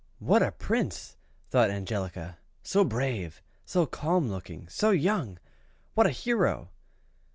"What a Prince!" thought Angelica: "so brave so calm looking so young what a hero!"